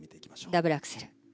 ダブルアクセル。